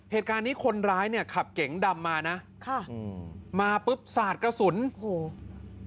เหตุการณ์นี้คนร้ายเนี่ยขับเก๋งดำมานะค่ะอืมมาปุ๊บสาดกระสุนโอ้โห